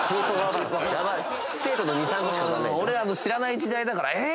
俺ら知らない時代だからえ